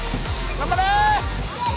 頑張れ！